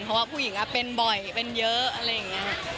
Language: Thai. เพราะว่าผู้หญิงเป็นบ่อยเป็นเยอะอะไรอย่างนี้